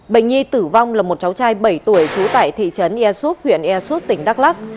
bệnh nhi tử vong là một cháu trai bảy tuổi trú tại thị trấn yersup huyện yersup tỉnh đắk lắc